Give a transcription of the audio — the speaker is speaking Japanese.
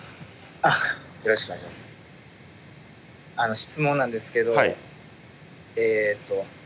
質問なんですけどえっと